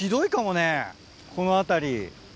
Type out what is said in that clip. この辺り。